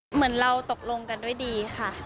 เหมือนเราตกลงกันด้วยดีค่ะ